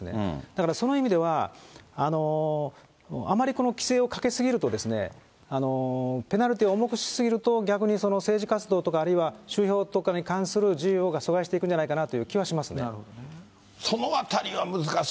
だから、その意味では、あまりこの規制をかけすぎると、ペナルティーを重くしすぎると、逆に政治活動とか、あるいは集票とかに関するに阻害していくと思いますね。